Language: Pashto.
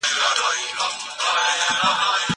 که وخت وي، قلم استعمالوموم!!